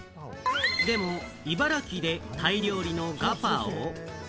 でも茨城でタイ料理のガパオ？